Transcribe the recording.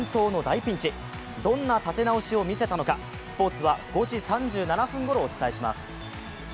どんな立て直しをしたのかスポーツは５時３７分ごろお伝えします。